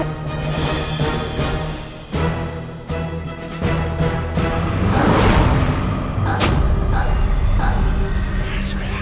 aku akan menyembuhkannya